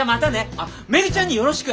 あっめぐちゃんによろしく。